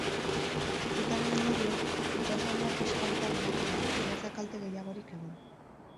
Sutearen ondorioz, kutxazaina kiskalita geratu da baina ez da kalte gehiagorik egon.